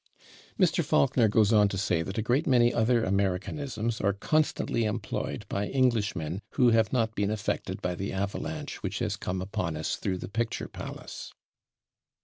Mr. Faulkner goes on to say that a great many other Americanisms are constantly employed by Englishmen "who have not been affected by the avalanche ... which has come upon us through the picture palace."